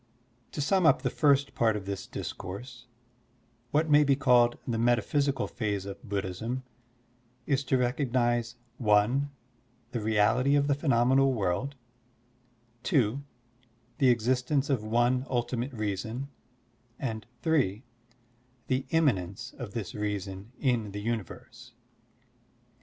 8$ To sum Up the first part of this discourse, what may be called the metaphysical phase of Bud dhism is to recognize (i) the reality of the phenomenal world, (2) the existence of one xxltimate reason, and (3) the immanence of this reason in the universe.